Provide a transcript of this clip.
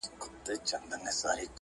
ستا پر ځنگانه اكثر.